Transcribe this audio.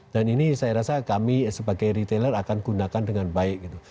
dan ini saya rasa kami sebagai retailer akan gunakan dengan baik gitu